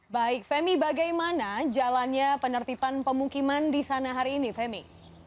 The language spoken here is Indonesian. baik femi bagaimana jalannya penertiban pemukiman di sana hari ini femi